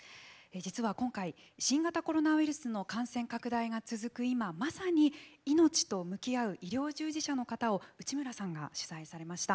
実は今回新型コロナウイルスの感染拡大が続く今まさに命と向き合う医療従事者の方を内村さんが取材されました。